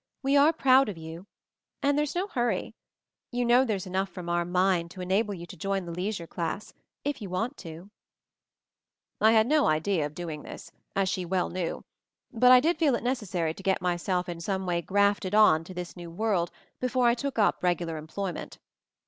We are proud of you. And there's no hurry. You know there's enough from our mine to enable you to join the leisure class' — if you want to !" I had no idea of doing this, as she well knew, but I did feel it necessary to get my self in some way grafted on to this new world before I took up regular employment.